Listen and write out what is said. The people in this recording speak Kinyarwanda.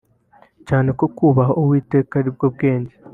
Cyane ko kubaha uwiteka aribwo bwenge